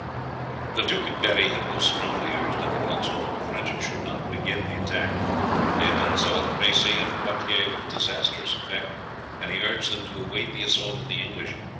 The Duke of Berri had most strongly urged on the council that the French should not begin the attack. They had done so at Crecy and Poitiers with disastrous effect, and he urged them to await the assault of the English.